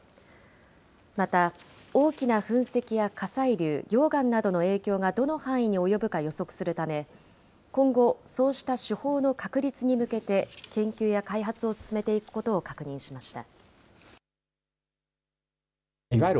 また、大きな噴石や火砕流、溶岩などの影響がどの範囲に及ぶか予測するため、今後、そうした手法の確立に向けて、研究や開発を進めていくことを確認しました。